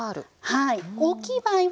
はい。